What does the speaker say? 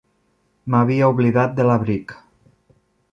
M'havia oblidat de l'abric.